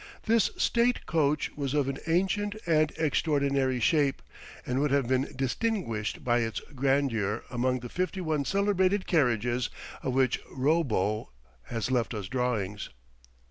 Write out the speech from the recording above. This state coach was of an ancient and extraordinary shape, and would have been distinguished by its grandeur among the fifty one celebrated carriages of which Roubo has left us drawings.